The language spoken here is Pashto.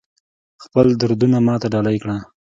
خپل دردونه ماته ډالۍ کړه